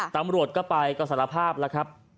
ตำรวจก็ไปก็สารภาพแล้วครับ